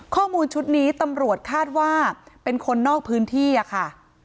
ข้อมูลชุดนี้ตำรวจคาดว่าเป็นคนนอกพื้นที่อะค่ะ